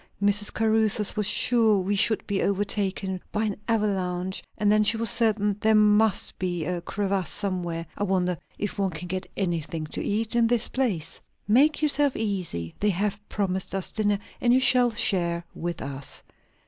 Mrs. Caruthers was sure we should be overtaken by an avalanche; and then she was certain there must be a crevasse somewhere. I wonder if one can get anything to eat in this place?" "Make yourself easy; they have promised us dinner, and you shall share with us.